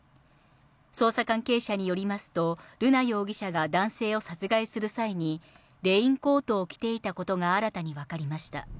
捜査関係者によりますと、瑠奈容疑者が男性を殺害する際に、レインコートを着ていたことが新たに分かりました。